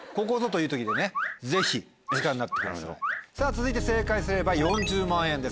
続いて正解すれば４０万円です。